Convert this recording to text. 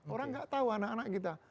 orang nggak tahu anak anak kita